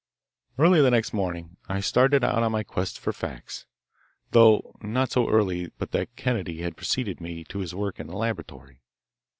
Early the next morning I started out on my quest for facts, though not so early but that Kennedy had preceded me to his work in his laboratory.